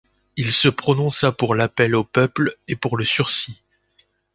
Il se prononça pour l'appel au peuple et pour le sursis.